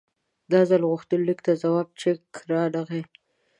دا ځل غوښتنلیک ته ځواب چټک رانغی.